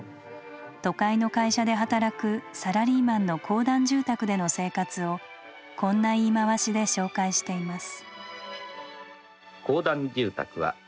都会の会社で働くサラリーマンの公団住宅での生活をこんな言い回しで紹介しています。